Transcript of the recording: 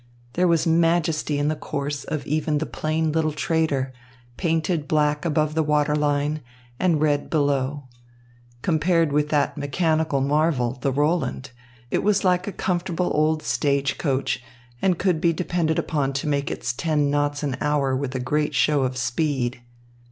There was majesty in the course of even the plain little trader, painted black above the water line and red below. Compared with that mechanical marvel, the Roland, it was like a comfortable old stage coach, and could be depended upon to make its ten knots an hour with a great show of speed.